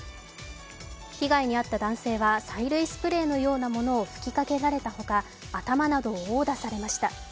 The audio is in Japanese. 被害に遭った男性は催涙スプレーのようなものを吹きかけられたほか頭などを殴打されました。